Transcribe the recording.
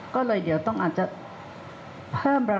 ก็เลยเดี๋ยวต้องอาจจะเพิ่มราคา